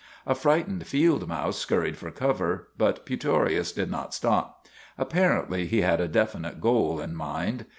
A frightened field mouse scurried for cover, but Putorius did not stop. Apparently he had a definite goal in mind.